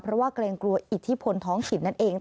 เพราะว่าเกรงกลัวอิทธิพลท้องถิ่นนั่นเอง